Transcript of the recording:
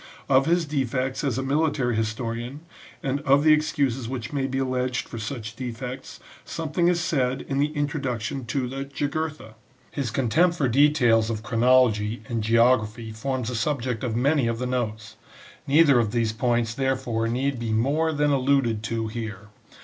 Of his defects as a military historian, and of the excuses which may be alleged for such defects, something is said in the introduction to the " Jugurtha" ; his contempt NOTE ON SALLUST. Xlll for details of chronology and geography forms the subject of many of the notes ; neither of these points therefore need be more than alluded to here.